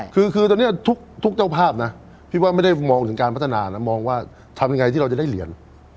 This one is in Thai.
คือตอนนี้ทุกเจ้าภาพนะพี่ว่าไม่ได้มองถึงการพัฒนานะมองว่าทำยังไงที่เราจะได้เหรียญ